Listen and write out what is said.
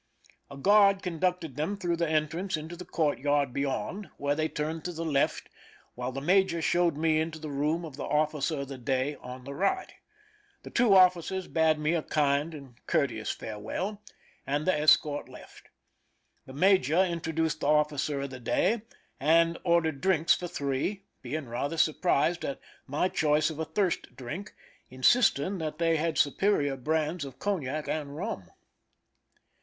A guard con ducted them through the entrance into the court yard beyond, where they turned to the left, while the major showed me into the room of the officer of the day on the right. The two officers bade me a kind and courteous farewell, and the escort left. The major introduced the officer of the day, and ordered drinks for three, being rather surprised at my choice of a thirst drink, insisting that they had superior brands of cognac and rum.